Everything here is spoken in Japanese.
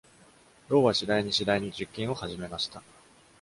ロウは次第に次第に実験を始めました。